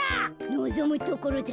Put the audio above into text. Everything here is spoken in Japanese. のぞむところだ。